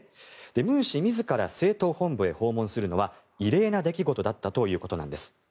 ムン氏自ら政党本部へ訪問するのは異例の出来事だったというんです。